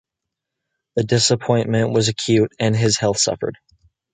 The disappointment was acute and his health suffered.